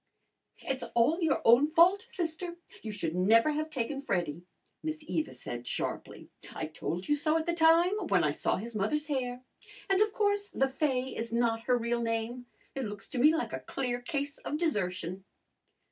"It's all your own fault, sister. You should never have taken Freddy," Miss Eva said sharply. "I told you so at the time, when I saw his mother's hair. And of course Le Fay is not her real name. It looks to me like a clear case of desertion."